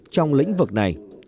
trong lĩnh vực này